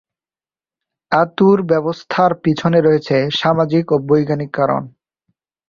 আঁতুড় ব্যবস্থার পিছনে রয়েছে সামাজিক এবং বৈজ্ঞানিক কারণ।